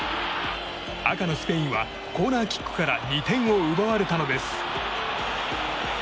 赤のスペインはコーナーキックから２点を奪われたのです。